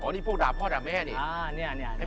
นี่พวกด่าพ่อด่าแม่นี่